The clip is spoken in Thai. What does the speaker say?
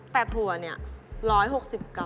แต่มัน๓๐กรัม